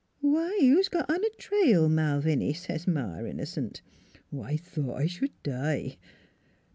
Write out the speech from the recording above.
' Why, who's got on a trail, Malviny?' says Ma, innocent. I thought I sh'd die